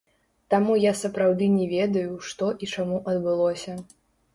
Таму я сапраўды не ведаю, што і чаму адбылося.